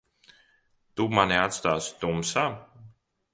Tu mani atstāsi tumsā?